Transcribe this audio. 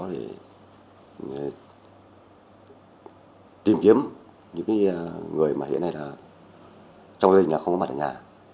để tìm kiếm những người mà hiện nay trong gia đình không có mặt ở nhà